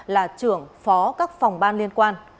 là trưởng phó các phòng ban liên quan